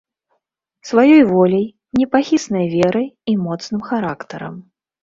Сваёй воляй, непахіснай верай і моцным характарам.